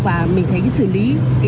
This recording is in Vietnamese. và mình thấy cái xử lý